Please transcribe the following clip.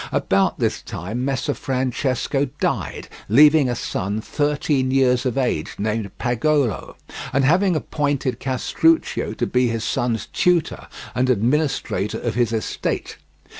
About this time Messer Francesco died, leaving a son thirteen years of age named Pagolo, and having appointed Castruccio to be his son's tutor and administrator of his estate.